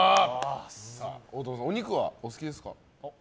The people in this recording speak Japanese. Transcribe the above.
大友さん、お肉はお好きですか？